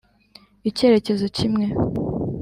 icyerekezo kimwe